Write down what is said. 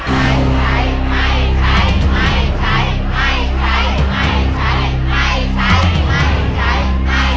ไม่ใช้ไม่ใช้ไม่ใช้ไม่ใช้ไม่ใช้ไม่ใช้